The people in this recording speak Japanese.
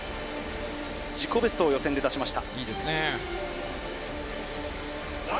自己ベストを予選で出しました。